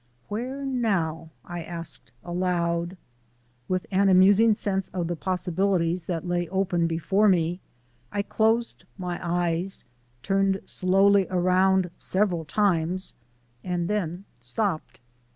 "Where now?" I asked aloud. With an amusing sense of the possibilities that lay open before me, I closed my eyes, turned slowly around several times and then stopped.